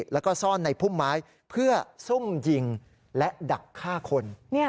แล้วก็ซ่อนในพุ่มไม้เพื่อซุ่มยิงและดักฆ่าคน